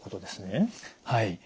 はい。